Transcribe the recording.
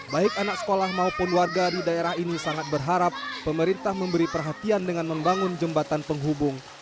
baik anak sekolah maupun warga di daerah ini sangat berharap pemerintah memberi perhatian dengan membangun jembatan penghubung